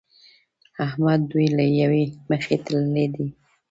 احمد دوی له يوې مخې تللي دي.